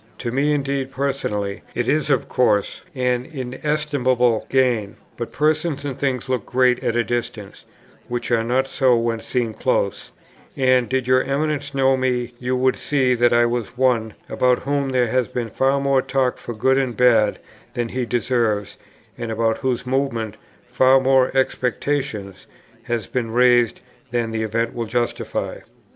To me indeed personally it is of course an inestimable gain; but persons and things look great at a distance, which are not so when seen close; and, did your Eminence know me, you would see that I was one, about whom there has been far more talk for good and bad than he deserves, and about whose movements far more expectation has been raised than the event will justify.